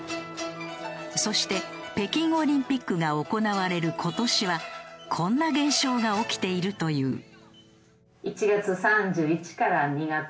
そして北京オリンピックが行われる今年はこんな現象が起きているという。